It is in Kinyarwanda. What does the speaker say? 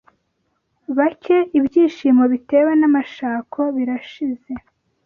bake Ibyishimo bitewe n’amashako birashize